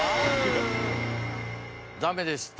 ダメでした。